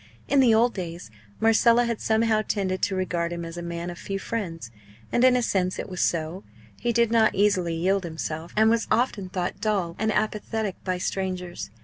In the old days Marcella had somehow tended to regard him as a man of few friends. And in a sense it was so. He did not easily yield himself; and was often thought dull and apathetic by strangers.